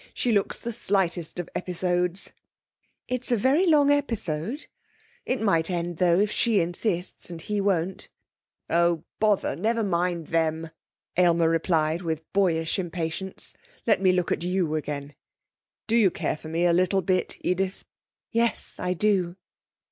She looks the slightest of episodes.' 'It's a very long episode. It might end, though if she insists and he won't.' 'Oh, bother, never mind them!' Aylmer replied, with boyish impatience. 'Let me look at you again. Do you care for me a little bit, Edith?' 'Yes; I do.'